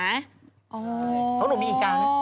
หนูมีอีกการ์